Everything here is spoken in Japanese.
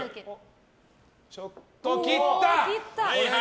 ちょっと切った！